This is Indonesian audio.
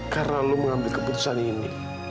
karena lo mengambil keputusan ini